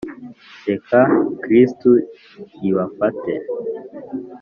reka kristu ibafate